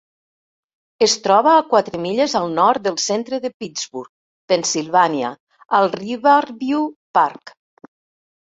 Es troba a quatre milles al nord del centre de Pittsburgh (Pennsilvània), al Riverview Park.